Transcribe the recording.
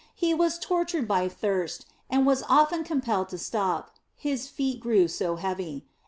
He was tortured by thirst and was often compelled to stop, his feet grew so heavy.